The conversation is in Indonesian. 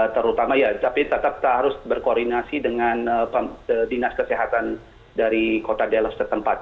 terutama ya tapi tetap harus berkoordinasi dengan dinas kesehatan dari kota delok setempat